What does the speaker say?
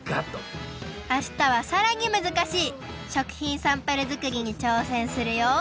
あしたはさらにむずかしい食品サンプルづくりにちょうせんするよ。